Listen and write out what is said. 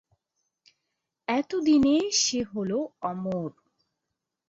এতদিনে সে হল অমর।